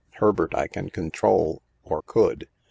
Herbert I can control, or could.